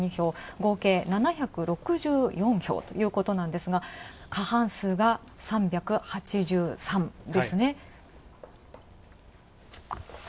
合計７６４票ということなんですが過半数が３８３ですね。